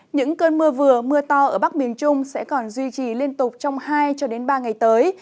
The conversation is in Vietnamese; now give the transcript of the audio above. những cơn mưa vừa mưa to ở bắc miền trung sẽ còn duy trì liên tục trong hai ba ngày tới